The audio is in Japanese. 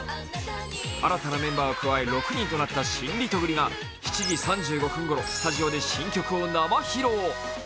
新たなメンバーを加え６人となった新リトグリが７時３５分ごろ、スタジオで新曲を生披露。